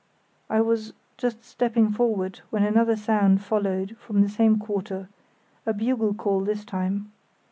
I was just stepping forward when another sound followed from the same quarter, a bugle call this time.